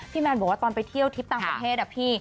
พี่แมนบอกว่าตอนไปเที่ยวธิปทางกันเทศ